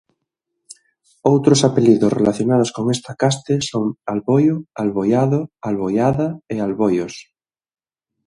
Outros apelidos relacionados con esta caste son Alboio, Alboiado, Alboiada e Alboios.